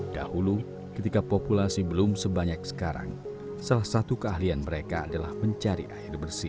dahulu ketika populasi belum sebanyak sekarang salah satu keahlian mereka adalah mencari air bersih